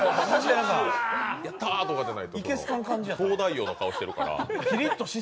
ヤッターとかじゃなくて、東大王の顔してるから。